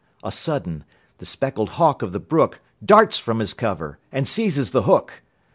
A sudden, the speckled hawk of the brook Darts from his cover and seizes the hook.